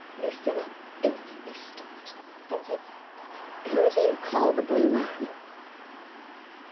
Lucilla instantly stopped, and said, "Who do you call 'The Blue Man'?"